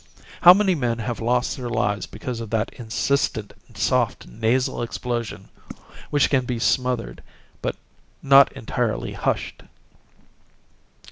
How many men have lost their lives because of that insistent soft nasal explosion which can be smothered, but not entirely hushed!